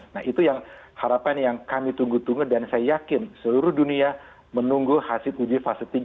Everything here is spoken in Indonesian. nah itu yang harapan yang kami tunggu tunggu dan saya yakin seluruh dunia menunggu hasil uji fase tiga